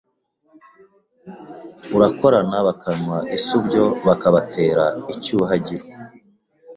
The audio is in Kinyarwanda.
urakorana bakanywa isubyo bakabatera icyuhagiro